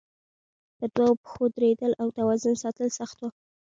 په دوو پښو درېدل او توازن ساتل سخت وو.